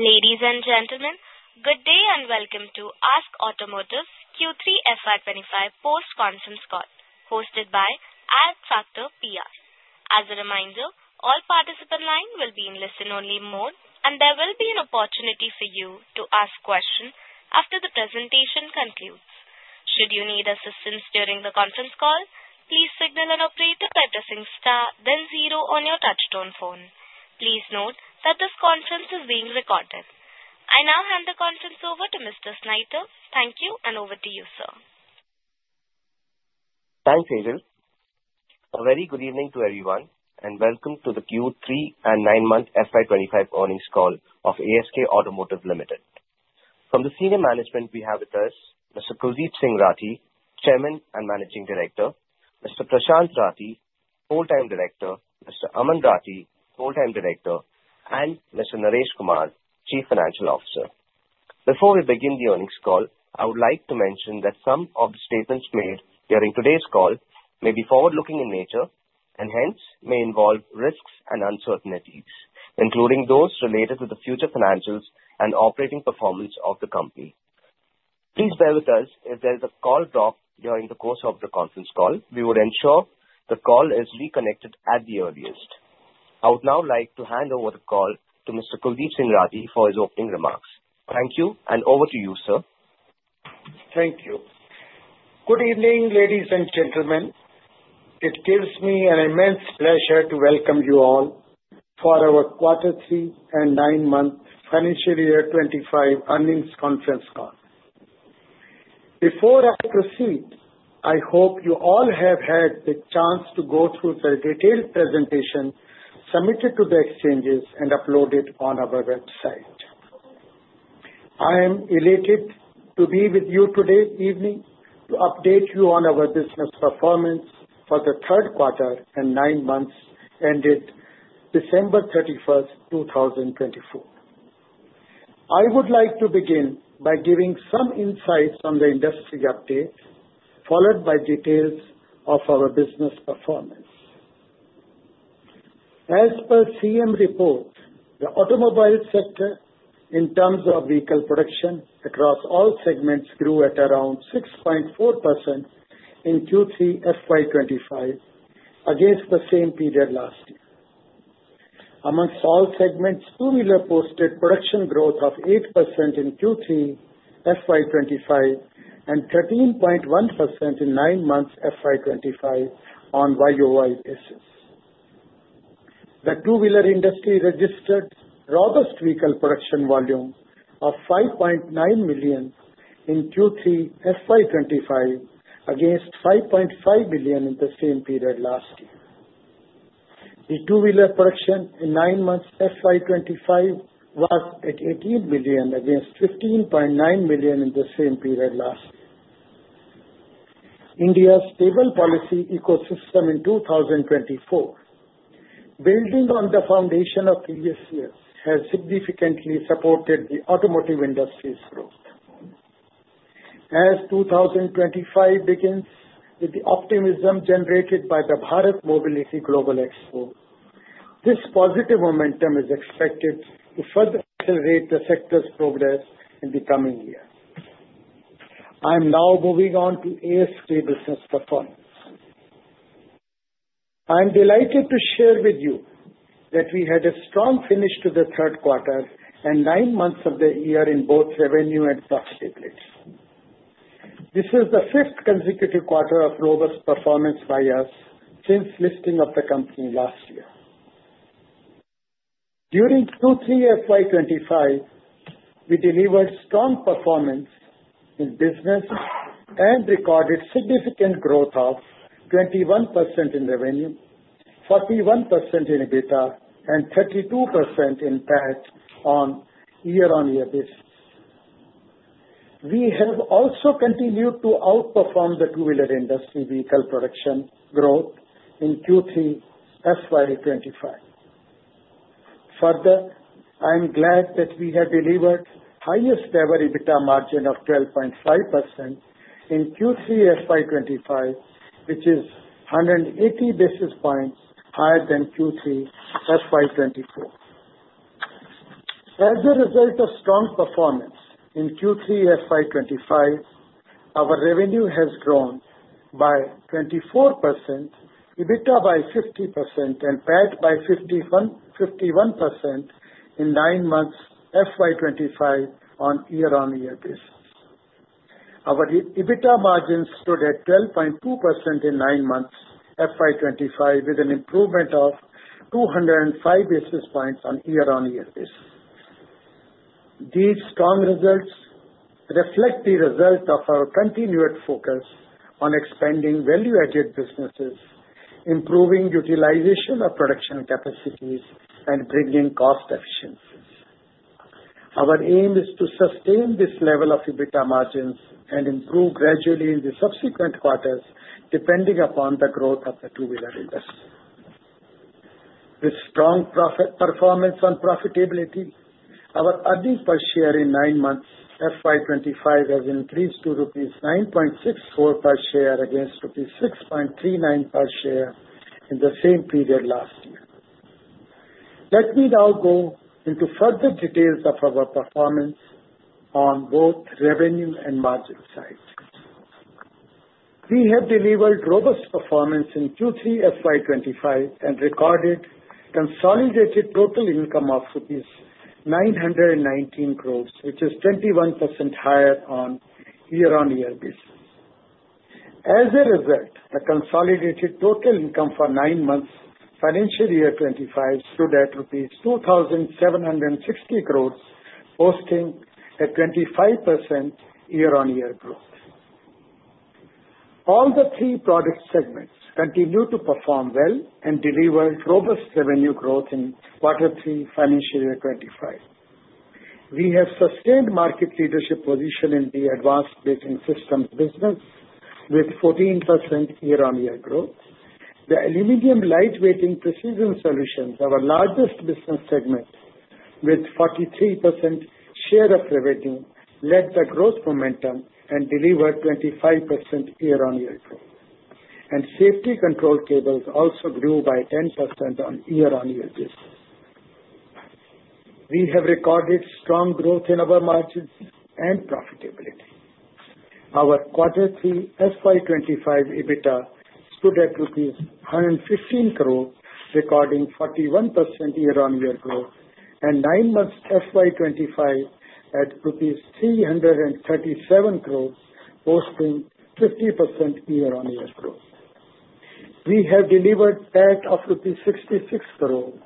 Ladies and gentlemen, good day and welcome to ASK Automotive's Q3 FY 2025 Post-Conference Call, hosted by Adfactors PR. As a reminder, all participants' lines will be in listen-only mode, and there will be an opportunity for you to ask questions after the presentation concludes. Should you need assistance during the conference call, please signal an operator by pressing star, then zero on your touch-tone phone. Please note that this conference is being recorded. I now hand the conference over to Mr. Snighter. Thank you, and over to you, sir. Thanks, Sejal. A very good evening to everyone, and welcome to the Q3 and nine month FY 2025 Earnings Call of ASK Automotive Limited. From the Senior Management, we have with us Mr. Kuldip Singh Rathee, Chairman and Managing Director, Mr. Prashant Rathee, Whole-Time Director, Mr. Aman Rathee, Whole-Time Director, and Mr. Naresh Kumar, Chief Financial Officer. Before we begin the earnings call, I would like to mention that some of the statements made during today's call may be forward-looking in nature and hence may involve risks and uncertainties, including those related to the future financials and operating performance of the company. Please bear with us if there is a call drop during the course of the conference call. We will ensure the call is reconnected at the earliest. I would now like to hand over the call to Mr. Kuldip Singh Rathee for his opening remarks. Thank you, and over to you, sir. Thank you. Good evening, ladies and gentlemen. It gives me an immense pleasure to welcome you all for our Q3 and nine month Financial Year 2025 Earnings Conference Call. Before I proceed, I hope you all have had the chance to go through the detailed presentation submitted to the exchanges and uploaded on our website. I am elated to be with you today evening to update you on our business performance for the third quarter and nine months ended December 31st, 2024. I would like to begin by giving some insights on the industry update, followed by details of our business performance. As per SIAM report, the automobile sector, in terms of vehicle production across all segments, grew at around 6.4% in Q3 FY 2025 against the same period last year. Among all segments, two-wheeler posted production growth of 8% in Q3 FY 2025 and 13.1% in nine months FY 2025 on YOY basis. The two-wheeler industry registered robust vehicle production volume of 5.9 million in Q3 FY 2025 against 5.5 million in the same period last year. The two-wheeler production in nine months FY 2025 was at 18 million against 15.9 million in the same period last year. India's stable policy ecosystem in 2024, building on the foundation of previous years, has significantly supported the automotive industry's growth. As 2025 begins with the optimism generated by the Bharat Mobility Global Expo, this positive momentum is expected to further accelerate the sector's progress in the coming years. I am now moving on to ASK business performance. I am delighted to share with you that we had a strong finish to the third quarter and nine months of the year in both revenue and profitability. This is the fifth consecutive quarter of robust performance by us since listing of the company last year. During Q3 FY 2025, we delivered strong performance in business and recorded significant growth of 21% in revenue, 41% in EBITDA, and 32% in PAT on year-on-year basis. We have also continued to outperform the two-wheeler industry vehicle production growth in Q3 FY 2025. Further, I am glad that we have delivered the highest-ever EBITDA margin of 12.5% in Q3 FY 2025, which is 180 basis points higher than Q3 FY 2024. As a result of strong performance in Q3 FY 2025, our revenue has grown by 24%, EBITDA by 50%, and PAT by 51% in nine months FY 2025 on year-on-year basis. Our EBITDA margin stood at 12.2% in nine months FY 2025, with an improvement of 205 basis points on year-on-year basis. These strong results reflect the result of our continued focus on expanding value-added businesses, improving utilization of production capacities, and bringing cost efficiencies. Our aim is to sustain this level of EBITDA margins and improve gradually in the subsequent quarters, depending upon the growth of the two-wheeler industry. With strong performance on profitability, our earnings per share in nine months FY 2025 has increased to rupees 9.64 per share against rupees 6.39 per share in the same period last year. Let me now go into further details of our performance on both revenue and margin sides. We have delivered robust performance in Q3 FY 2025 and recorded consolidated total income of rupees 919 crores, which is 21% higher on year-on-year basis. As a result, the consolidated total income for nine months Financial Year 2025 stood at INR 2,760 crores, posting a 25% year-on-year growth. All the three product segments continue to perform well and deliver robust revenue growth in Q3 Financial Year '25. We have sustained market leadership position in the Advanced Braking Systems business with 14% year-on-year growth. The Aluminum Lightweighting Precision Solutions, our largest business segment, with 43% share of revenue, led the growth momentum and delivered 25% year-on-year growth. And Safety Control Cables also grew by 10% on year-on-year basis. We have recorded strong growth in our margins and profitability. Our Q3 FY 2025 EBITDA stood at 115 crores, recording 41% year-on-year growth, and nine months FY 2025 at INR 337 crores, posting 50% year-on-year growth. We have delivered PAT of rupees 66 crores,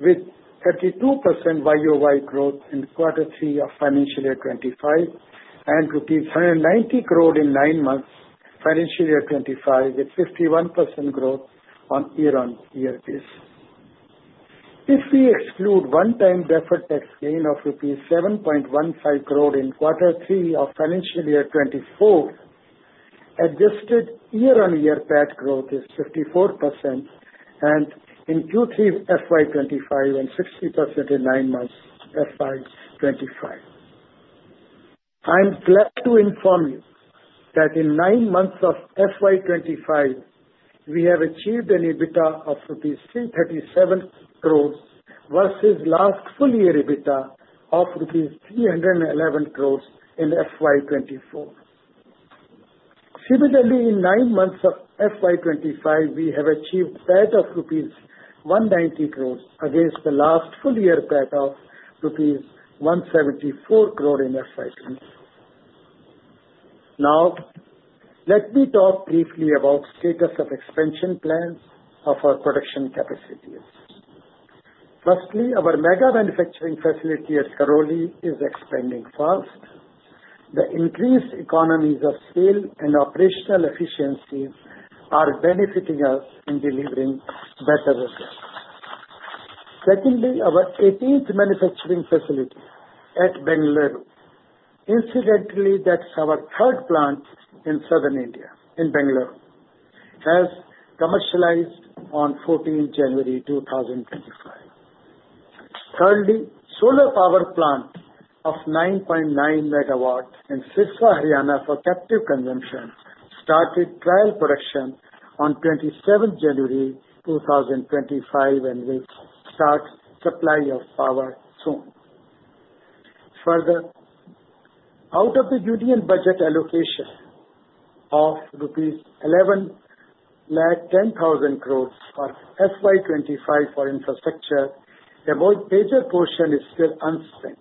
with 32% YOY growth in Q3 of Financial Year 2025, and rupees 190 crores in nine months Financial Year 2025, with 51% growth on year-on-year basis. If we exclude one-time deferred tax gain of rupees 7.15 crores in Q3 of Financial Year 2024, adjusted year-on-year PAT growth is 54%, and in Q3 FY 2025, and 60% in nine months FY 2025. I am glad to inform you that in nine months of FY 2025, we have achieved an EBITDA of rupees 337 crores versus last full-year EBITDA of rupees 311 crores in FY 2024. Similarly, in nine months of FY 2025, we have achieved PAT of rupees 190 crores against the last full-year PAT of rupees 174 crores in FY 2024. Now, let me talk briefly about the status of expansion plans of our production capacities. Firstly, our mega manufacturing facility at Karoli is expanding fast. The increased economies of scale and operational efficiencies are benefiting us in delivering better results. Secondly, our 18th manufacturing facility at Bengaluru, incidentally, that's our third plant in Southern India, in Bengaluru, has commercialized on 14th January 2025. Thirdly, the solar power plant of 9.9 MW in Sirsa, Haryana for captive consumption started trial production on 27th January 2025, and will start supply of power soon. Further, out of the union budget allocation of rupees 1,110,000 crores for FY 2025 for infrastructure, a major portion is still unspent.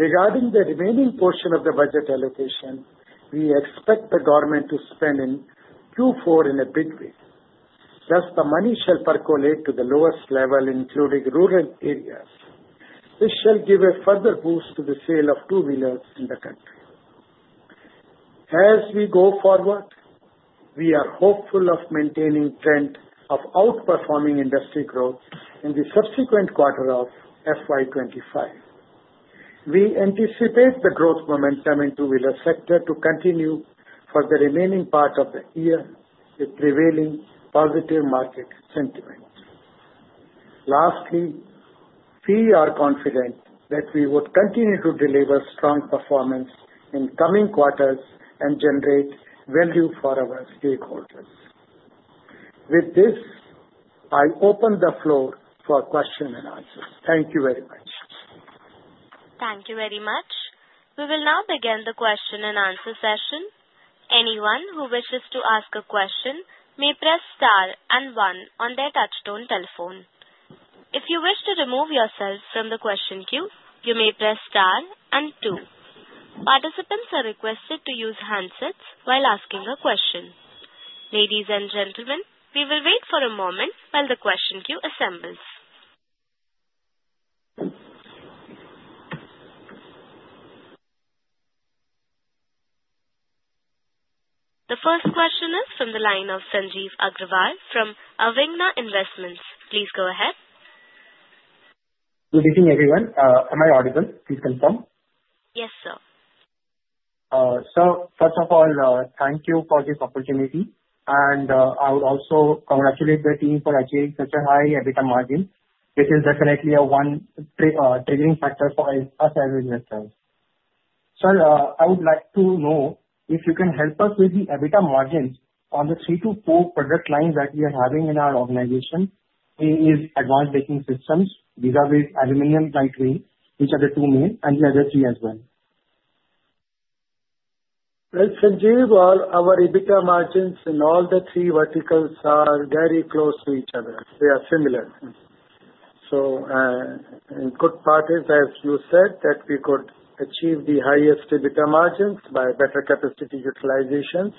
Regarding the remaining portion of the budget allocation, we expect the government to spend in Q4 in a big way. Thus, the money shall percolate to the lowest level, including rural areas. This shall give a further boost to the sale of two-wheelers in the country. As we go forward, we are hopeful of maintaining the trend of outperforming industry growth in the subsequent quarter of FY 2025. We anticipate the growth momentum in the two-wheeler sector to continue for the remaining part of the year with prevailing positive market sentiment. Lastly, we are confident that we would continue to deliver strong performance in coming quarters and generate value for our stakeholders. With this, I open the floor for questions and answers. Thank you very much. Thank you very much. We will now begin the question and answer session. Anyone who wishes to ask a question may press star and one on their touch-tone telephone. If you wish to remove yourself from the question queue, you may press star and two. Participants are requested to use handsets while asking a question. Ladies and gentlemen, we will wait for a moment while the question queue assembles. The first question is from the line of Sanjeev Agarwal from Avighna Investments. Please go ahead. Good evening, everyone. Am I audible? Please confirm. Yes, sir. Sir, first of all, thank you for this opportunity. And I would also congratulate the team for achieving such a high EBITDA margin. This is definitely a one triggering factor for us as investors. Sir, I would like to know if you can help us with the EBITDA margins on the three-to-four product lines that we are having in our organization, which is advanced braking systems, vis-à-vis aluminum lightweight, which are the two main, and the other three as well. Sanjeev, our EBITDA margins in all the three verticals are very close to each other. They are similar. So in good part is, as you said, that we could achieve the highest EBITDA margins by better capacity utilization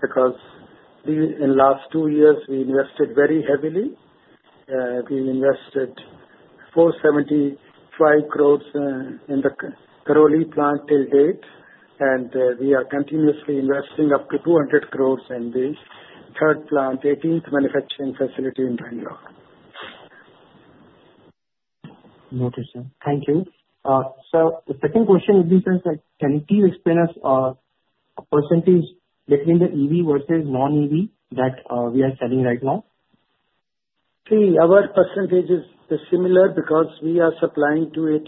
because in the last two years, we invested very heavily. We invested 475 crores in the Karoli plant till date, and we are continuously investing up to 200 crores in the third plant, 18th manufacturing facility in Bengaluru. Noted, sir. Thank you. Sir, the second question would be sir, can you please explain us a percentage between the EV versus non-EV that we are selling right now? See, our percentage is similar because we are supplying to 80%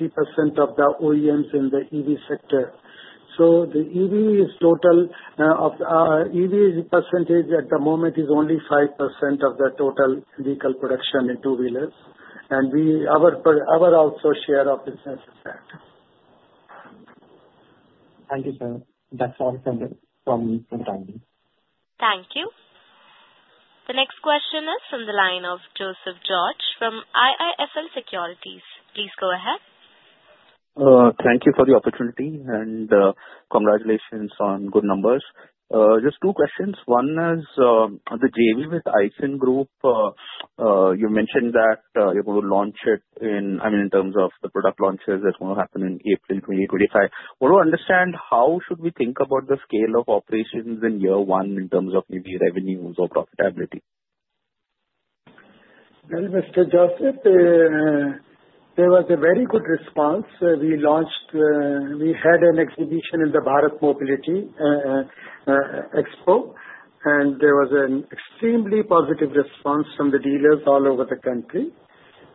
of the OEMs in the EV sector. So the EV is total of EV percentage at the moment is only 5% of the total vehicle production in two-wheelers, and our outsource share of business is that. Thank you, sir. That's all from the time. Thank you. The next question is from the line of Joseph George from IIFL Securities. Please go ahead. Thank you for the opportunity and congratulations on good numbers. Just two questions. One is the JV with AISIN Group, you mentioned that you're going to launch it in, I mean, in terms of the product launches that's going to happen in April 2025. What do I understand, how should we think about the scale of operations in year one in terms of maybe revenues or profitability? Mr. Joseph, there was a very good response. We launched, we had an exhibition in the Bharat Mobility Expo, and there was an extremely positive response from the dealers all over the country.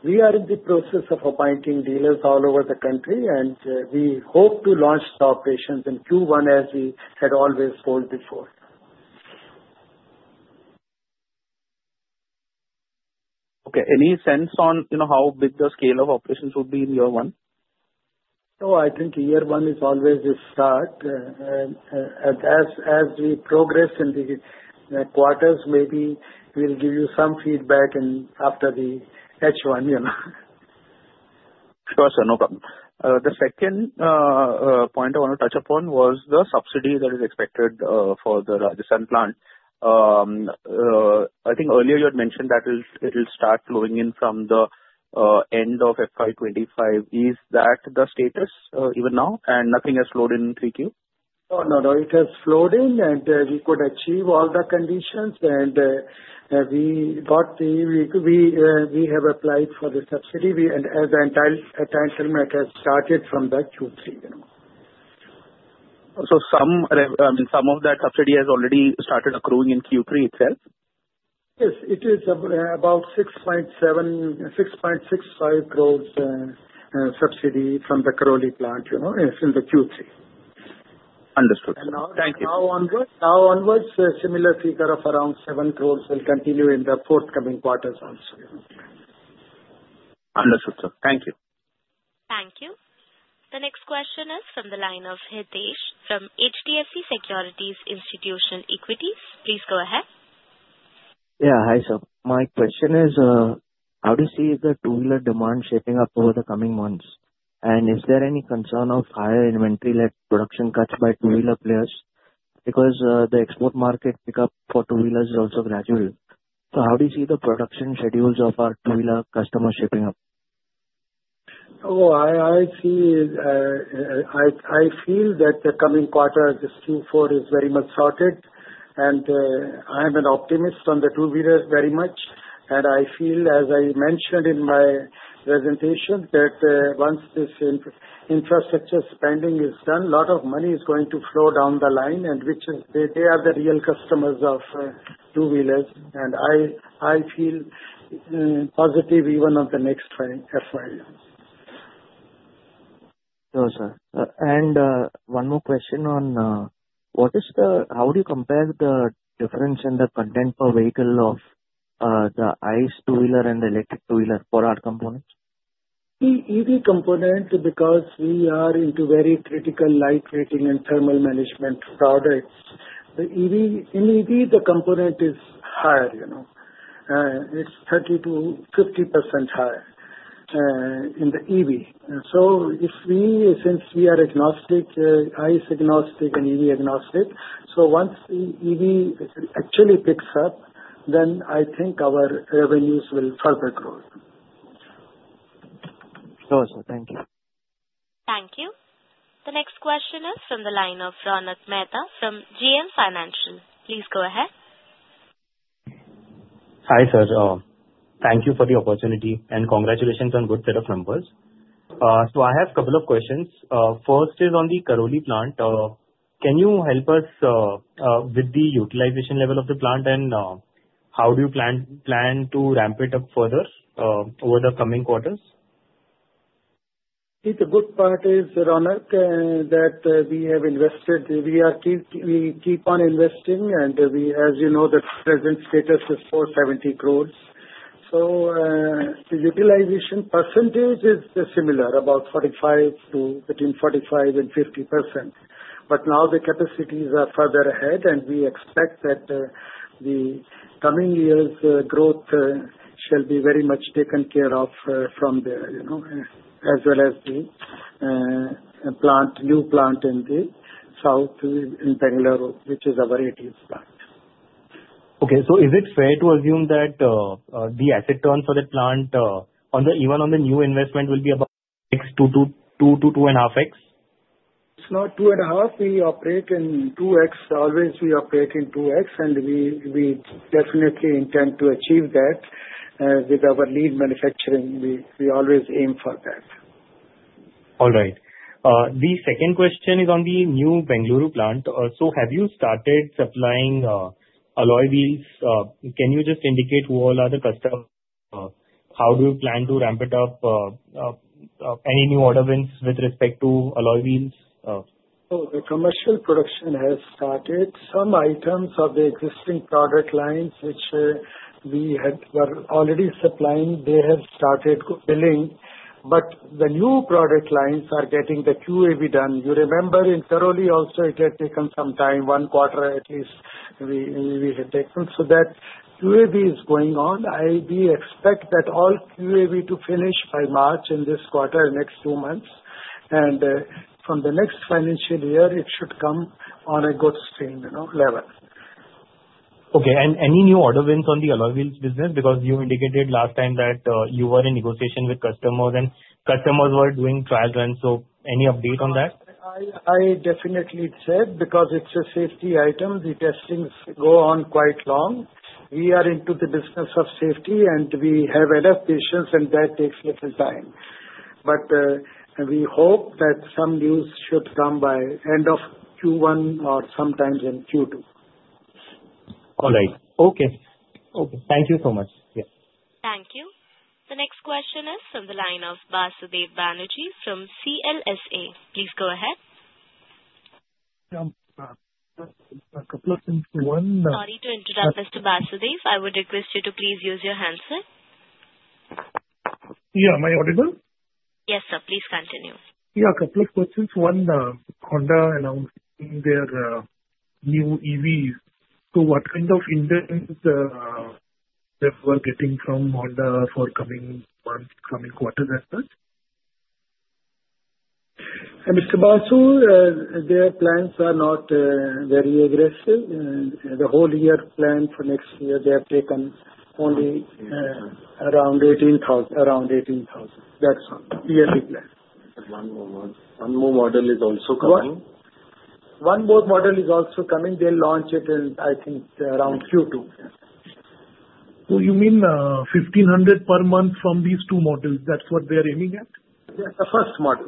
We are in the process of appointing dealers all over the country, and we hope to launch the operations in Q1 as we had always told before. Okay. Any sense on how big the scale of operations will be in year one? Oh, I think year one is always a start. As we progress in the quarters, maybe we'll give you some feedback after the H1. Sure, sir. No problem. The second point I want to touch upon was the subsidy that is expected for the Rajasthan plant. I think earlier you had mentioned that it'll start flowing in from the end of FY 2025. Is that the status even now, and nothing has flowed in 3Q? Oh, no, no. It has flowed in, and we could achieve all the conditions, and we have applied for the subsidy, and as I'm telling you, it has started from that Q3. So some, I mean, some of that subsidy has already started accruing in Q3 itself? Yes. It is about 6.65 crores subsidy from the Karoli plant in the Q3. Understood. Thank you. Now onwards, similar figure of around 7 crore will continue in the forthcoming quarters also. Understood, sir. Thank you. Thank you. The next question is from the line of Hitesh from HDFC Securities Institutional Equities. Please go ahead. Yeah. Hi, sir. My question is, how do you see the two-wheeler demand shaping up over the coming months? And is there any concern of higher inventory-led production cuts by two-wheeler players? Because the export market pickup for two-wheelers is also gradual. So how do you see the production schedules of our two-wheeler customers shaping up? Oh, I feel that the coming quarters, Q4 is very much sorted, and I'm an optimist on the two-wheelers very much. And I feel, as I mentioned in my presentation, that once this infrastructure spending is done, a lot of money is going to flow down the line, and they are the real customers of two-wheelers. And I feel positive even on the next FY. No, sir. And one more question on what is the, how do you compare the difference in the content per vehicle of the ICE two-wheeler and the electric two-wheeler for our components? EV component, because we are into very critical lightweighting and thermal management products. The EV. In EV, the component is higher. It's 30%-50% higher in the EV. So since we are agnostic, ICE agnostic and EV agnostic, so once the EV actually picks up, then I think our revenues will further grow. Sure, sir. Thank you. Thank you. The next question is from the line of Ronak Mehta from JM Financial. Please go ahead. Hi, sir. Thank you for the opportunity, and congratulations on a good set of numbers. So I have a couple of questions. First is on the Karoli plant. Can you help us with the utilization level of the plant, and how do you plan to ramp it up further over the coming quarters? See, the good part is, Ronak, that we have invested, we keep on investing, and as you know, the present status is 470 crore. So the utilization percentage is similar, about 45% to between 45% and 50%. But now the capacities are further ahead, and we expect that the coming years' growth shall be very much taken care of from there, as well as the new plant in the south in Bengaluru, which is our 18th plant. Okay, so is it fair to assume that the asset turn for the plant, even on the new investment, will be about 2x-2.5x? It's not 2.5x. We operate in 2x. Always we operate in 2x, and we definitely intend to achieve that with our lead manufacturing. We always aim for that. All right. The second question is on the new Bengaluru plant. So have you started supplying alloy wheels? Can you just indicate who all are the customers? How do you plan to ramp it up? Any new order wins with respect to alloy wheels? Oh, the commercial production has started. Some items of the existing product lines, which we were already supplying, they have started billing, but the new product lines are getting the QAV done. You remember in Karoli also, it had taken some time, one quarter at least we had taken, so that QAV is going on. I expect that all QAV to finish by March in this quarter, next two months, and from the next financial year, it should come on a good stream level. Okay. And any new order wins on the alloy wheels business? Because you indicated last time that you were in negotiation with customers, and customers were doing trial runs. So any update on that? I definitely said, because it's a safety item, the testings go on quite long. We are into the business of safety, and we have enough patience, and that takes little time. But we hope that some news should come by end of Q1 or sometimes in Q2. All right. Okay. Thank you so much. Yeah. Thank you. The next question is from the line of Basudeb Banerjee from CLSA. Please go ahead. A couple of things. One. Sorry to interrupt, Mr. Basudeb. I would request you to please use your handset. Yeah. Am I audible? Yes, sir. Please continue. Yeah. A couple of questions. One, Honda announced their new EVs. So what kind of inquiries they were getting from Honda for coming quarters and such? And basically, their plans are not very aggressive. The whole year plan for next year, they have taken only around 18,000. That's all. Yearly plan. One more model is also coming. One more model is also coming. They launch it in, I think, around Q2. So you mean 1,500 per month from these two models? That's what they are aiming at? Yeah. The first model.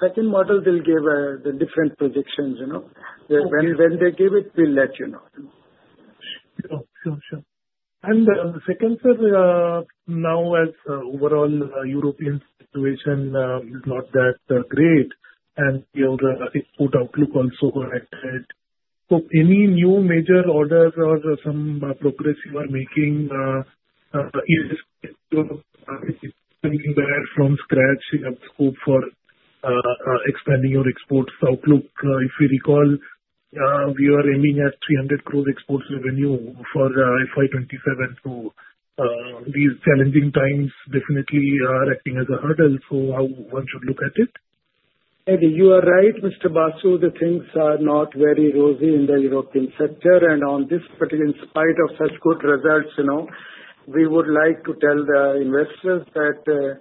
Second model, they'll give the different predictions. When they give it, we'll let you know. Sure. And second, sir, now as overall European situation is not that great, and your outlook also corrected, so any new major orders or some progress you are making, is it going to be better from scratch? You have scope for expanding your exports outlook. If you recall, we were aiming at 300 crore exports revenue for FY 2027. So these challenging times definitely are acting as a hurdle. So how one should look at it? And you are right, Mr. Basu. The things are not very rosy in the European sector. And on this particular, in spite of such good results, we would like to tell the investors that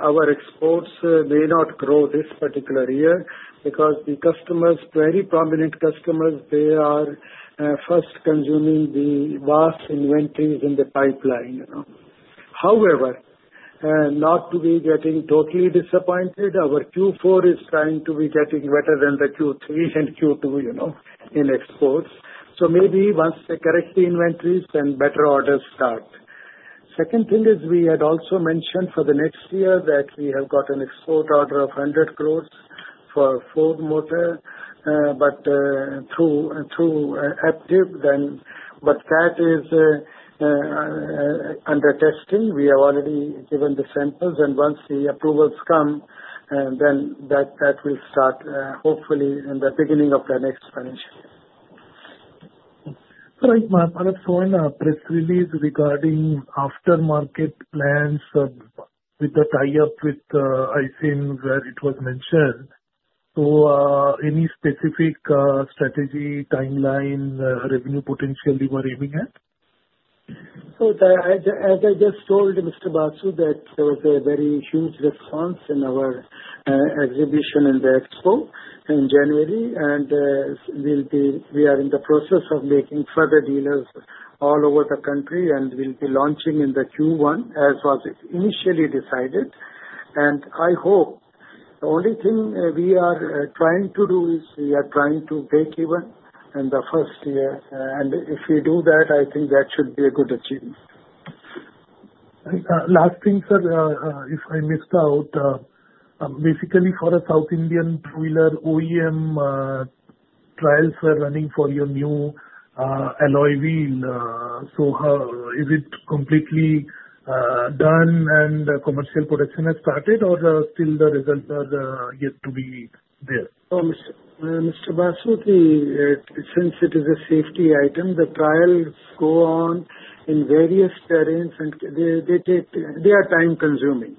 our exports may not grow this particular year because the customers, very prominent customers, they are first consuming the vast inventories in the pipeline. However, not to be getting totally disappointed, our Q4 is trying to be getting better than the Q3 and Q2 in exports. So maybe once they correct the inventories and better orders start. Second thing is we had also mentioned for the next year that we have got an export order of 100 crores for Ford Motor, but through Aptiv, but that is under testing. We have already given the samples, and once the approvals come, then that will start, hopefully, in the beginning of the next financial year. All right. Another one, press release regarding aftermarket plans with the tie-up with AISIN where it was mentioned. So any specific strategy, timeline, revenue potential you were aiming at? So as I just told Mr. Basu, that there was a very huge response in our exhibition in the expo in January, and we are in the process of making further dealers all over the country, and we'll be launching in the Q1 as was initially decided. And I hope the only thing we are trying to do is we are trying to break even in the first year. And if we do that, I think that should be a good achievement. Last thing, sir, if I missed out, basically for a South Indian two-wheeler OEM trials were running for your new alloy wheel. So is it completely done and commercial production has started, or still the results are yet to be there? Mr. Basu, since it is a safety item, the trials go on in various variants, and they are time-consuming,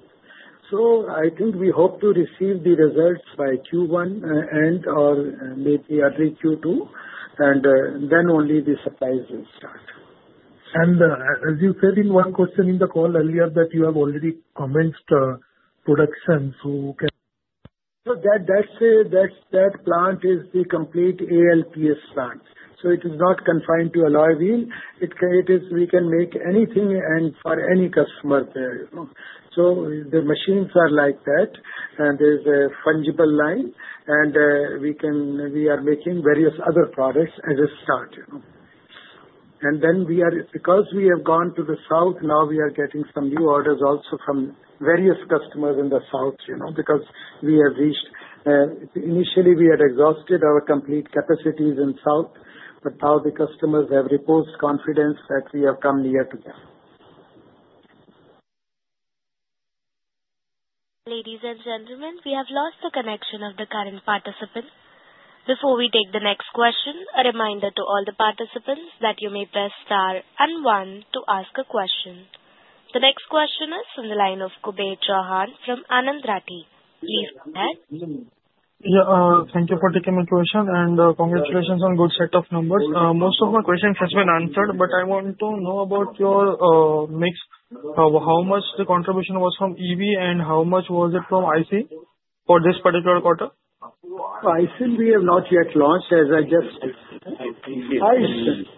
so I think we hope to receive the results by Q1 and/or maybe early Q2, and then only the supplies will start. And as you said in one question in the call earlier that you have already commenced production, so can? That plant is the complete ALPS plant, so it is not confined to alloy wheel. We can make anything and for any customer there, so the machines are like that, and there's a fungible line, and we are making various other products as a start. Then, because we have gone to the south, now we are getting some new orders also from various customers in the south because we have reached. Initially, we had exhausted our complete capacities in south, but now the customers have reposed confidence that we have come near to them. Ladies and gentlemen, we have lost the connection of the current participant. Before we take the next question, a reminder to all the participants that you may press star and one to ask a question. The next question is from the line of Kuber Chauhan from Anand Rathi. Please go ahead. Yeah. Thank you for taking my question, and congratulations on good set of numbers. Most of my questions have been answered, but I want to know about your mix. How much the contribution was from EV, and how much was it from ICE for this particular quarter? ICE, we have not yet launched, as I just said. ICE.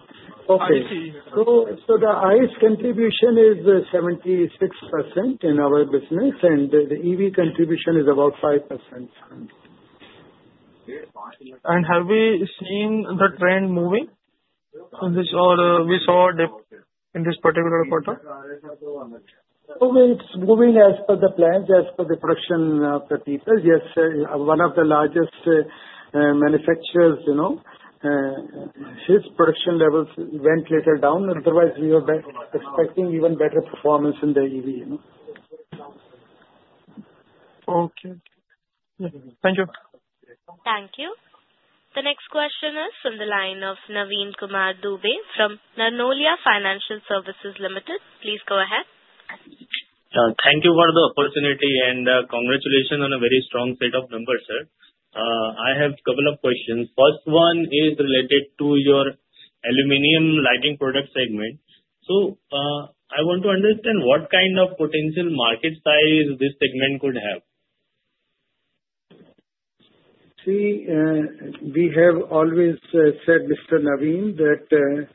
Okay. So the ICE contribution is 76% in our business, and the EV contribution is about 5%. Have we seen the trend moving? We saw a dip in this particular quarter. It's moving as per the plans, as per the production per people. Yes, one of the largest manufacturers, his production levels went a little down. Otherwise, we were expecting even better performance in the EV. Okay. Thank you. Thank you. The next question is from the line of Naveen Kumar Dubey from Narnolia Financial Services Limited. Please go ahead. Thank you for the opportunity, and congratulations on a very strong set of numbers, sir. I have a couple of questions. First one is related to your aluminum light-weighting product segment. So I want to understand what kind of potential market size this segment could have. See, we have always said, Mr. Naveen, that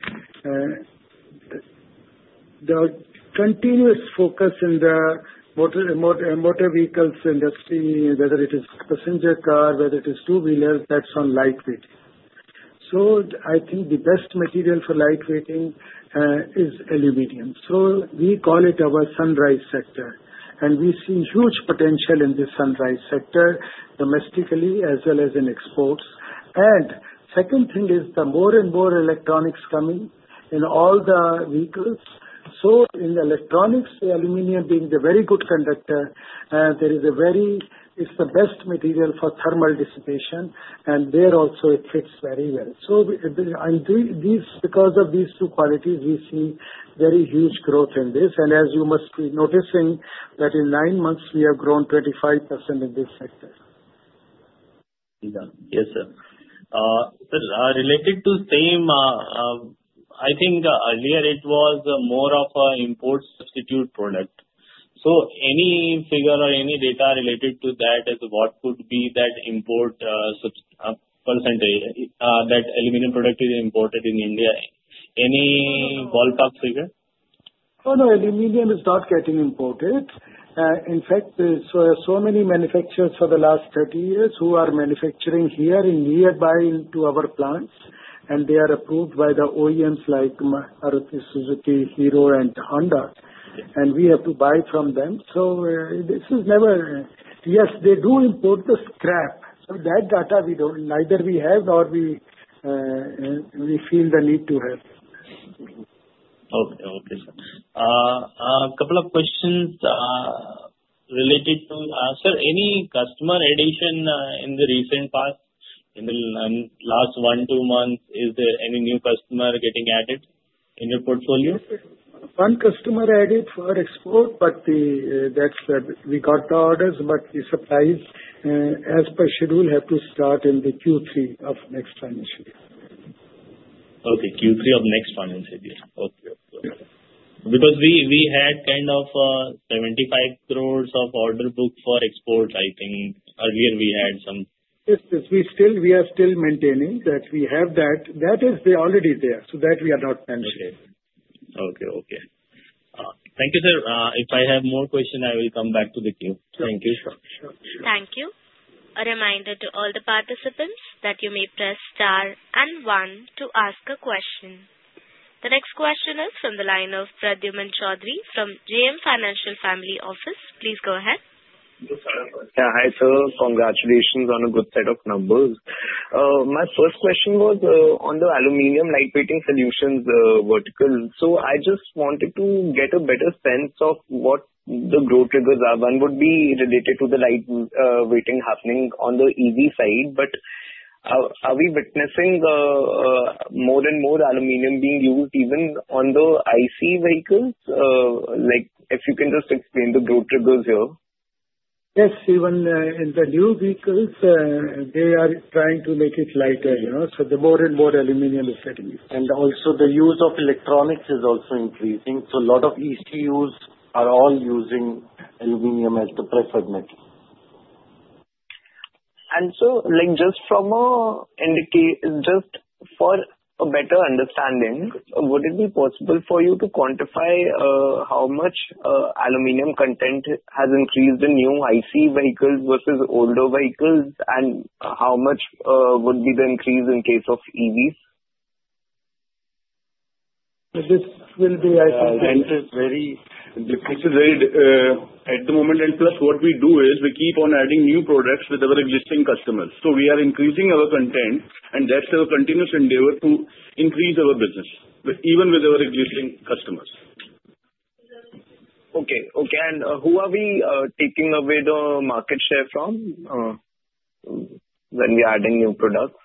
the continuous focus in the motor vehicles industry, whether it is passenger car, whether it is two-wheelers, that's on lightweight. So I think the best material for lightweighting is aluminum. So we call it our sunrise sector, and we see huge potential in the sunrise sector domestically as well as in exports. And second thing is the more and more electronics coming in all the vehicles. So in electronics, aluminum being the very good conductor, there is a very. It's the best material for thermal dissipation, and there also it fits very well. So because of these two qualities, we see very huge growth in this. And as you must be noticing, that in nine months, we have grown 25% in this sector. Yes, sir. Related to same, I think earlier it was more of an import substitute product. So any figure or any data related to that as what could be that import percentage, that aluminum product is imported in India? Any ballpark figure? Oh, no. Aluminum is not getting imported. In fact, there are so many manufacturers for the last 30 years who are manufacturing here in nearby to our plants, and they are approved by the OEMs like Suzuki, Hero, and Honda, and we have to buy from them. So this is never. Yes, they do import the scrap. So that data, neither we have nor we feel the need to have. Okay. A couple of questions related to, sir, any customer addition in the recent past, in the last one to two months? Is there any new customer getting added in your portfolio? One customer added for export, but that's we got the orders, but the supplies, as per schedule, have to start in the Q3 of next financial year. Okay. Q3 of next financial year. Okay. Because we had kind of 75 crores of order book for export, I think. Earlier, we had some. Yes. We are still maintaining that we have that. That is already there, so that we are not mentioning. Okay. Thank you, sir. If I have more questions, I will come back to the queue. Thank you. Thank you. A reminder to all the participants that you may press star and one to ask a question. The next question is from the line of Pradyumna Choudhary from JM Financial Family Office. Please go ahead. Yeah. Hi, sir. Congratulations on a good set of numbers. My first question was on the aluminum lightweighting solutions vertical. So I just wanted to get a better sense of what the growth figures are. One would be related to the lightweighting happening on the EV side, but are we witnessing more and more aluminum being used even on the ICE vehicles? If you can just explain the growth figures here. Yes. Even in the new vehicles, they are trying to make it lighter, so the more and more aluminum is getting used. And also, the use of electronics is also increasing. So a lot of ECUs are all using aluminum as the preferred metal. And so just for a better understanding, would it be possible for you to quantify how much aluminum content has increased in new ICE vehicles versus older vehicles, and how much would be the increase in case of EVs? This will be, I think. This is very difficult. This is very active at the moment. And plus, what we do is we keep on adding new products with our existing customers. So we are increasing our content, and that's our continuous endeavor to increase our business, even with our existing customers. Who are we taking away the market share from when we are adding new products?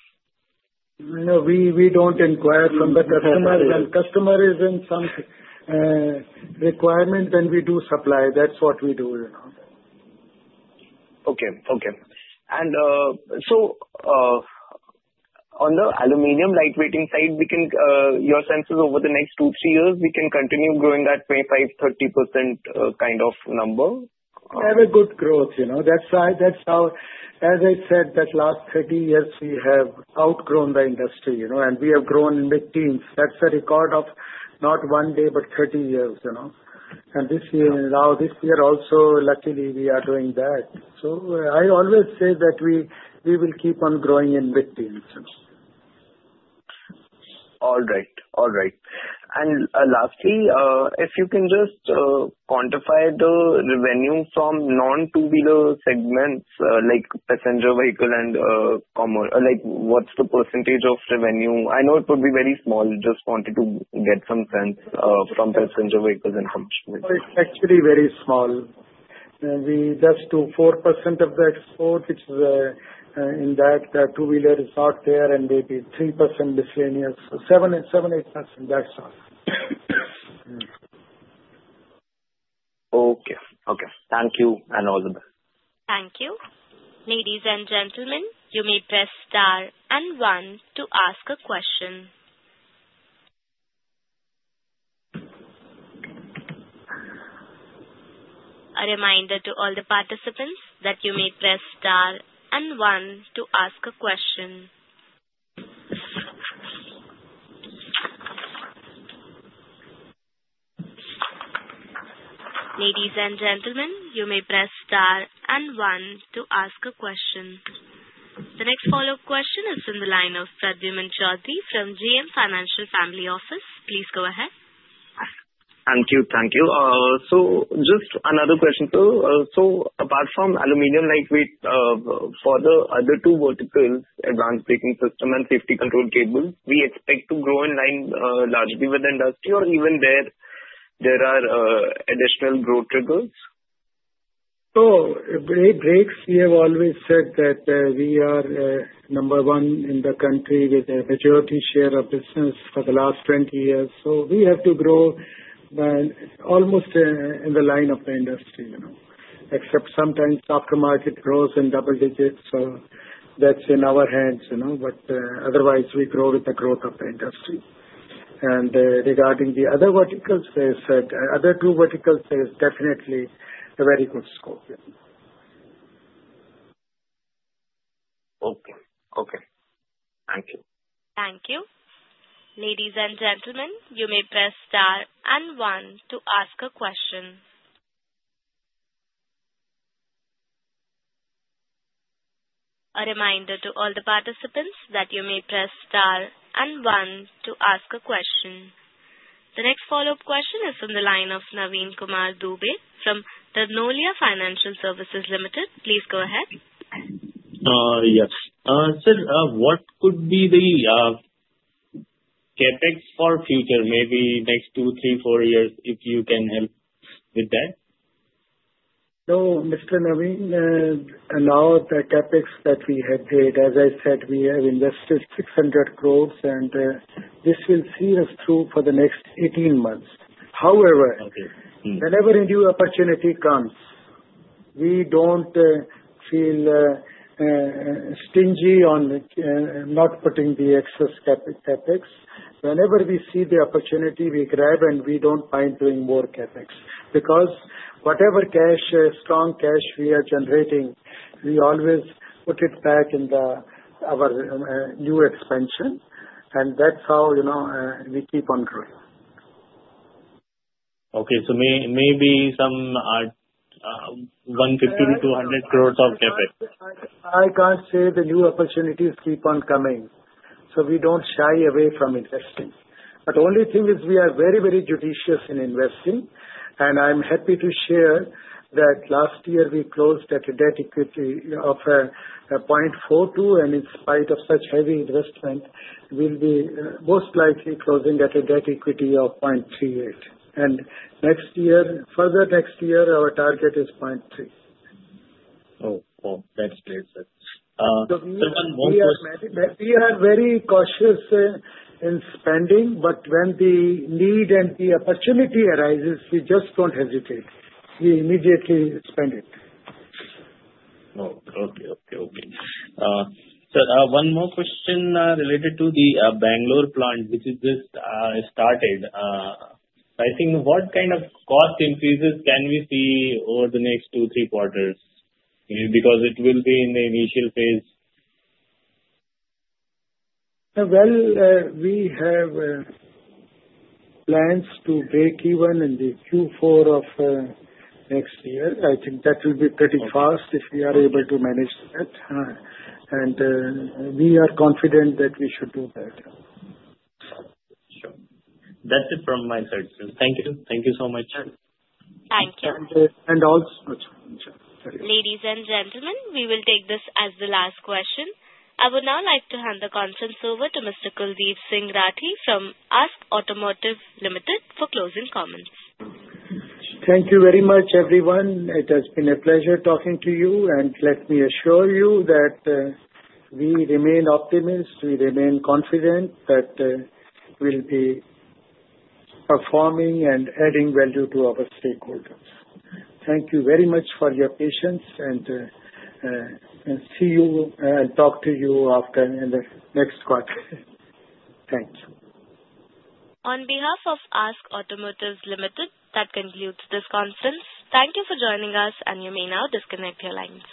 No, we don't inquire from the customer. When customer is in some requirement, then we do supply. That's what we do. And so on the aluminum lightweighting side, your sense is over the next two, three years, we can continue growing that 25%-30% kind of number? We have a good growth. That's how, as I said, that last 30 years, we have outgrown the industry, and we have grown in big teams. That's a record of not one day, but 30 years, and this year, now this year also, luckily, we are doing that, so I always say that we will keep on growing in big teams. All right. All right. And lastly, if you can just quantify the revenue from non-two-wheeler segments, like passenger vehicle and commercial. What's the percentage of revenue? I know it would be very small. Just wanted to get some sense from passenger vehicles and commercial. It's actually very small. That's to 4% of the export, which is in that two-wheeler is not there, and maybe 3% miscellaneous, 7%-8%, that's all. Okay. Okay. Thank you, and all the best. Thank you. Ladies and gentlemen, you may press star and one to ask a question. A reminder to all the participants that you may press star and one to ask a question. Ladies and gentlemen, you may press star and one to ask a question. The next follow-up question is from the line of Pradyumna Choudhary from JM Financial Family Office. Please go ahead. Thank you. Thank you. Just another question. Apart from aluminum lightweight for the other two verticals, advanced braking system and safety control cables, we expect to grow in line largely with the industry, or even there are additional growth triggers? So, brakes, we have always said that we are number one in the country with a majority share of business for the last 20 years. So we have to grow almost in line with the industry, except sometimes aftermarket grows in double digits. So that's in our hands. But otherwise, we grow with the growth of the industry. And regarding the other verticals, there's other two verticals, there's definitely a very good scope. Okay. Okay. Thank you. Thank you. Ladies and gentlemen, you may press star and one to ask a question. A reminder to all the participants that you may press star and one to ask a question. The next follow-up question is from the line of Naveen Kumar Dubey from Narnolia Financial Services Limited. Please go ahead. Yes. Sir, what could be the CapEx for future, maybe next two, three, four years, if you can help with that? So, Mr. Naveen, now the CapEx that we have made, as I said, we have invested 600 crores, and this will see us through for the next 18 months. However, whenever a new opportunity comes, we don't feel stingy on not putting the excess CapEx. Whenever we see the opportunity, we grab, and we don't mind doing more CapEx because whatever cash, strong cash we are generating, we always put it back in our new expansion, and that's how we keep on growing. Okay. So maybe some 150 crore-200 crore of CapEx. I can't say the new opportunities keep on coming. So we don't shy away from investing. But the only thing is we are very, very judicious in investing, and I'm happy to share that last year we closed at a debt-to-equity of 0.42, and in spite of such heavy investment, we'll be most likely closing at a debt-to-equity of 0.38. And next year, further next year, our target is 0.3. Oh, wow. Thanks, sir. So we are very cautious in spending, but when the need and the opportunity arises, we just don't hesitate. We immediately spend it. Oh, okay. Sir, one more question related to the Bengaluru plant, which is just started. I think what kind of cost increases can we see over the next two, three quarters? Because it will be in the initial phase. We have plans to break even in the Q4 of next year. I think that will be pretty fast if we are able to manage that. We are confident that we should do that. Sure. That's it from my side, sir. Thank you. Thank you so much. Thank you. And also. Ladies and gentlemen, we will take this as the last question. I would now like to hand the conference over to Mr. Kuldip Singh Rathee from ASK Automotive Limited for closing comments. Thank you very much, everyone. It has been a pleasure talking to you, and let me assure you that we remain optimists. We remain confident that we'll be performing and adding value to our stakeholders. Thank you very much for your patience, and see you and talk to you after in the next quarter. Thank you. On behalf of ASK Automotive Limited, that concludes this conference. Thank you for joining us, and you may now disconnect your lines.